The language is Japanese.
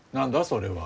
それは。